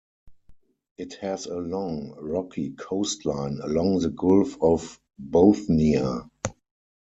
It has a long, rocky coastline along the Gulf of Bothnia.